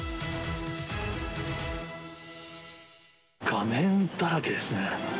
画面だらけですね。